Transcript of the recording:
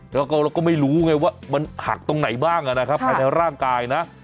แล้วก็เราก็ไม่รู้ไงว่ามันหักตรงไหนบ้างนะครับภายในร่างกายนะ